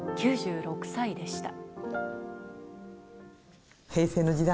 ９６歳でした。